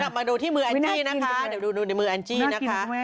กลับมาดูที่มืออันจีกนะคะโดยมืออันจีกนะคะ